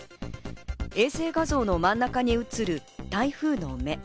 衛星画像の真ん中に映る台風の目。